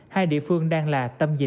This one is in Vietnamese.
hai địa phương đang là tầm